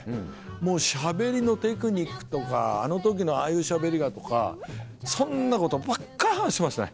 もうしゃべりのテクニックとかあの時のああいうしゃべりがとかそんなことばっかり話してますね。